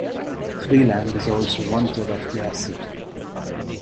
Freeland is also one third of The Acid.